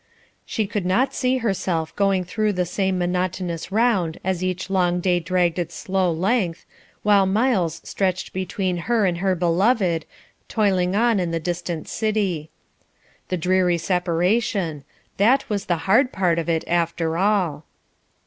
She could not see herself going through the same monotonous round as each long day dragged its slow length, while miles stretched between her and her beloved, toiling on in the distant city. The dreary separation that was the hard part of it, after all.